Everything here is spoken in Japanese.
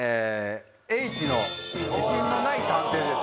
Ｈの自信のない探偵です。